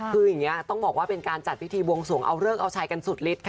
คืออย่างนี้ต้องบอกว่าเป็นการจัดพิธีบวงสวงเอาเลิกเอาชัยกันสุดฤทธิค่ะ